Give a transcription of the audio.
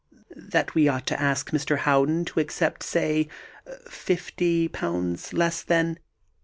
that we ought to ask Mr. Howden to accept, say fifty pounds less than...."